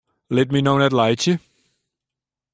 Lit my no net laitsje!